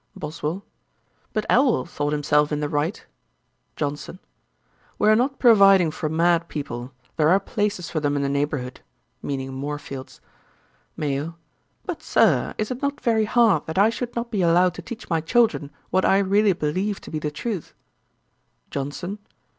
BOSWELL. 'But Elwal thought himself in the right.' JOHNSON. 'We are not providing for mad people; there are places for them in the neighbourhood' (meaning Moorfields). MAYO. 'But, Sir, is it not very hard that I should not be allowed to teach my children what I really believe to be the truth?' JOHNSON.